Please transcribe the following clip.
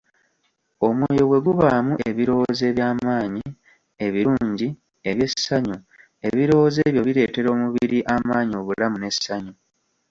Omwoyo bwe gubaamu ebirowozo eby'amaanyi, ebirungi, eby'essanyu; ebirowozo ebyo bireetera omubiri amaanyi, obulamu n'essanyu.